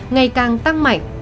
ngày càng tăng mạnh